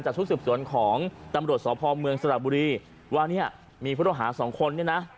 จากทุกศึกษวนของตำรวจสอบภอมเมืองสนาบุรีว่าเนี่ยมีพุทธโอหาสองคนเนี่ยนะ